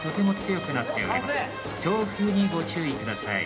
強風にご注意ください。